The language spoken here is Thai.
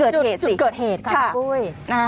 จุดเกิดเหตุค่ะคุณปุ้ย